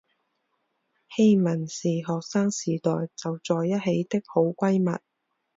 希汶是学生时代就在一起的好闺蜜。